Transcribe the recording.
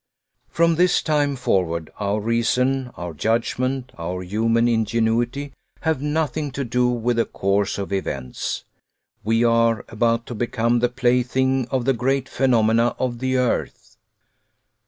From this time forward, our reason, our judgment, our human ingenuity, have nothing to do with the course of events. We are about to become the plaything of the great phenomena of the earth!